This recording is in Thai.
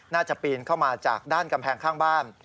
ปีนเข้ามาจากด้านกำแพงข้างบ้าน